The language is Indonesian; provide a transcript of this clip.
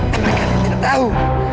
karena kalian tidak tahu